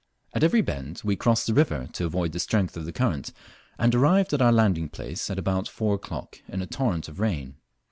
At every bend we crossed the river to avoid the strength of the current, and arrived at our landing place about four o'clock in a torrent of rain.